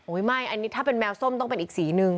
อุ๊ยไม่อันนี้ถ้าเป็นแมวส้มต้องเป็นอีกสีหนึ่ง